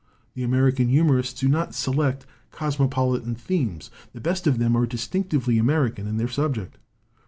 The American humorists do not select cosmopolitan themes; the best of them are distinctively American in their subject.